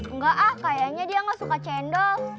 enggak kayaknya dia gak suka cendol